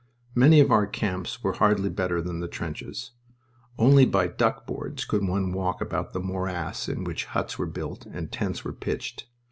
Many of our camps were hardly better than the trenches. Only by duck boards could one walk about the morass in which huts were built and tents were pitched.